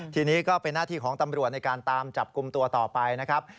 ทีนี้ก็เป็นหน้าที่ของตำรวจในการตามจับกลุ่มตัวต่อไปนะครับ